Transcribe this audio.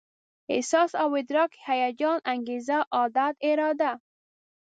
احساس او ادراک، هيجان، انګېزه، عادت، اراده